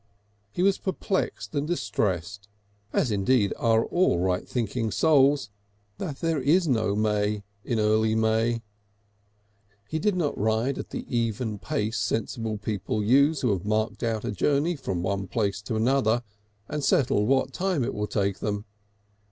He was perplexed and distressed, as indeed are all right thinking souls, that there is no may in early May. He did not ride at the even pace sensible people use who have marked out a journey from one place to another, and settled what time it will take them.